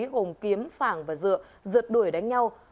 hồn kiếm phảng và dựa rượt đuổi đánh nhau